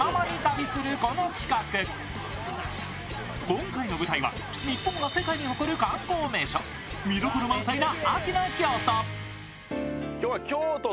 今回の舞台は日本が世界に誇る観光名所、見どころ満載な秋の京都。